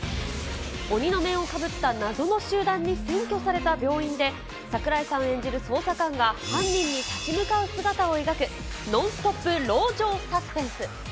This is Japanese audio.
鬼の面をかぶった謎の集団に占拠された病院で、櫻井さん演じる捜査官が犯人に立ち向かう姿を描く、ノンストップ籠城サスペンス。